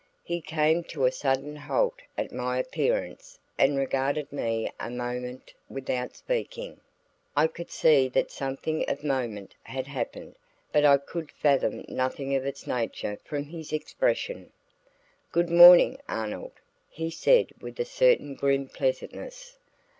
He came to a sudden halt at my appearance and regarded me a moment without speaking. I could see that something of moment had happened, but I could fathom nothing of its nature from his expression. "Good morning, Arnold," he said with a certain grim pleasantness.